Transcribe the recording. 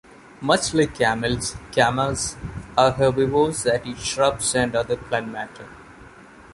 Much like camels, camas are herbivores that eat shrubs and other plant matter.